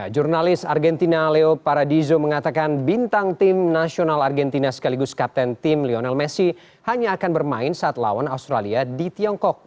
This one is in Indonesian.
jurnalis argentina leo paradizo mengatakan bintang tim nasional argentina sekaligus kapten tim lionel messi hanya akan bermain saat lawan australia di tiongkok